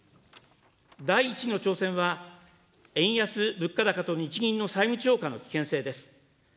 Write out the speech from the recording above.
第１の挑戦は、円安・物価高と日銀の債務超過の危険性です。